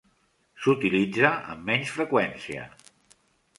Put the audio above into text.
S"utilitza amb menys freqüència.